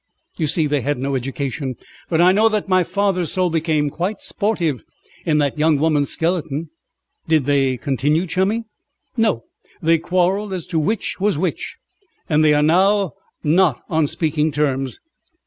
You see they had no education. But I know that my father's soul became quite sportive in that young woman's skeleton." "Did they continue chummy?" "No; they quarrelled as to which was which, and they are not now on speaking terms.